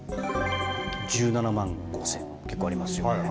１７万５０００、結構ありますよね。